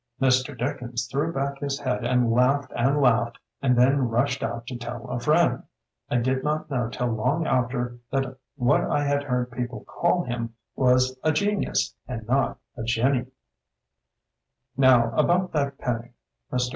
Mr. Dickens threw back his head and laughed and laughed and then rushed out to tell a friend. I did not know tiU long after that what I had heard people call him was a genius and not a jinnee, "Now about that penny." Mr.